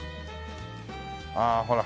ああほら。